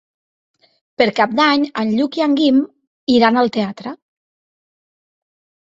Per Cap d'Any en Lluc i en Guim iran al teatre.